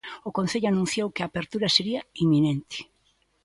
O Concello anunciou que a apertura sería inminente.